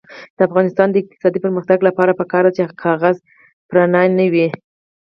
د افغانستان د اقتصادي پرمختګ لپاره پکار ده چې کاغذ پراني نه وي.